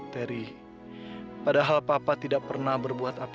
teri padahal papa tidak pernah berbuat apa apa